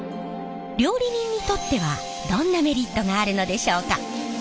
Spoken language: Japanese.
料理人にとってはどんなメリットがあるのでしょうか？